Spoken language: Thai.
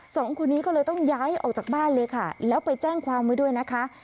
สองคนนี้ก็เลยต้องย้ายออกจากบ้านเลยค่ะแล้วไปแจ้งความไว้ด้วยนะคะ